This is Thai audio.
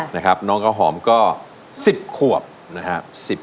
น้องข้าวหอมก็๑๐ขวบนะครับ